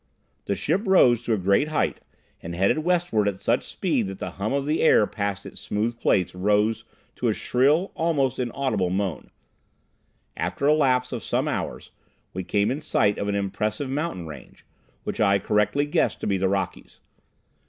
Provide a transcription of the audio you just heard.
The ship rose to a great height, and headed westward at such speed that the hum of the air past its smooth plates rose to a shrill, almost inaudible moan. After a lapse of some hours we came in sight of an impressive mountain range, which I correctly guessed to be the Rockies.